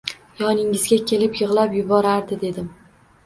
Yoningizga kelib yig’lab yuborardi derdim.